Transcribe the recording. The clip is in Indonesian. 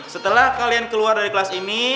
setelah kalian keluar dari kelas ini